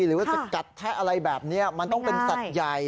หรือว่าจะกัดแทะอะไรแบบนี้มันต้องเป็นสัตว์ใหญ่